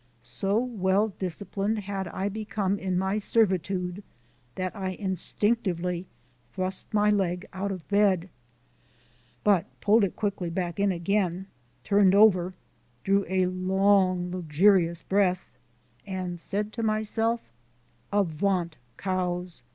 So well disciplined had I become in my servitude that I instinctively thrust my leg out of bed but pulled it quickly back in again, turned over, drew a long, luxurious breath, and said to myself: "Avaunt cows!